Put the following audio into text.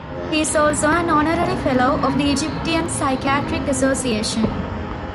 He is also an Honorary Fellow of the Egyptian Psychiatric Association.